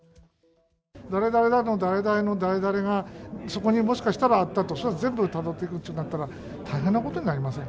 誰々の誰々の誰々が、そこにもしかしたらあったと、全部たどっていくってなったら大変なことになりません？